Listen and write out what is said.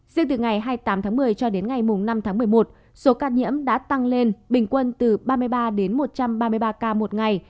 riêng từ ngày hai mươi tám tháng một mươi cho đến ngày năm tháng một mươi một số ca nhiễm đã tăng lên bình quân từ ba mươi ba đến một trăm ba mươi ba ca một ngày